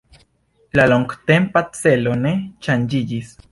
La longtempa celo ne ŝanĝiĝis.